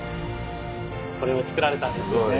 これを造られたんですね。